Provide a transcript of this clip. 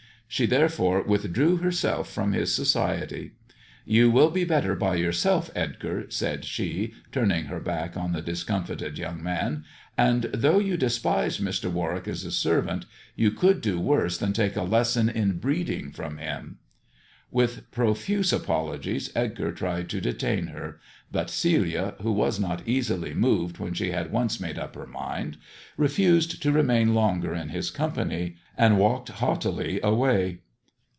She therefore withdrew herself from his society. "You will be better by yourself, Edgar," said she, turning her back on the discomfited young man, "and *>■ 116 THE dwarf's chamber though you despise Mr. "Warwick as a servant, you could do worse than take a lesson in breeding from him." With profuse apologies Edgar tried to detain her, but Celia, who was not easily moved when she had once made up her mind, refused to remain longer in his company, and walked haughtily away.